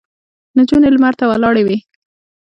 نجونې لمر ته ولاړې وې.